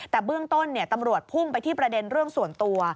แต่เบื้องต้นตำรวจพุ่งไปที่ประเด็นเรื่องส่วนตัว